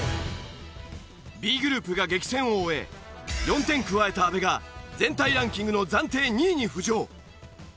Ｂグループが激戦を終え４点加えた阿部が全体ランキングの暫定２位に浮上。